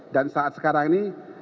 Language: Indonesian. dan saat sekarang ini